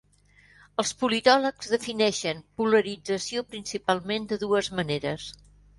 Els politòlegs defineixen polarització principalment de dues maneres.